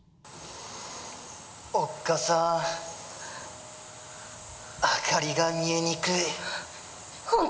おっかさん、明かりが見えにくい。